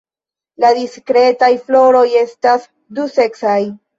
La diskretaj floroj estas duseksaj.